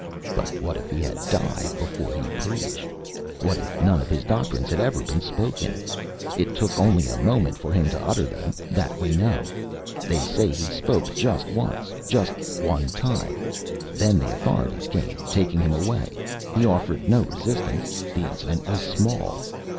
"But what if he had died before he preached? What if none of his doctrines had ever been spoken? It took only a moment for him to utter them, that we know. They say he spoke just once, just one time. Then the authorities came, taking him away. He offered no resistance; the incident was small."